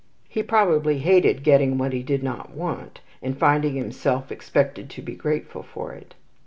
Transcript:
He probably hated getting what he did not want, and finding himself expected to be grateful for it.